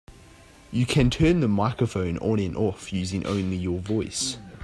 You can turn the microphone on and off using only your voice.